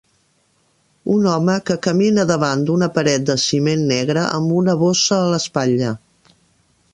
Un home que camina davant d'una paret de ciment negre amb una bossa a l'espatlla.